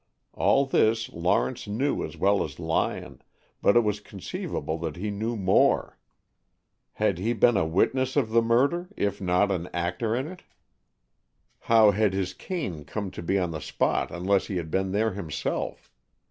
All this Lawrence knew as well as Lyon, but it was conceivable that he knew more. Had he been a witness of the murder, if not an actor in it? How had his cane come to be on the spot unless he had been there himself?